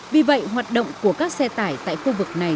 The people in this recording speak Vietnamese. vì vậy hoạt động của các xe tải tại khu vực này